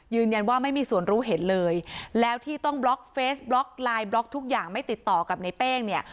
ยืนยันว่าไม่มีส่วนรู้เห็นเลยแล้วที่ต้องบล็อกเฟสบล็อกไลน์บล็อกทุกอย่างไม่ติดต่อกับในเป้งเนี่ย